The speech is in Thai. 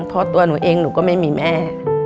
เพราะตัวหนูเองหนูก็ไม่มีแม่